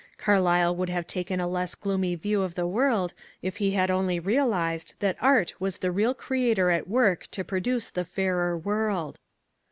Carlyle would have taken a less gloomy view of the world if he had only realized that art was the real creator at work to produce the fairer world.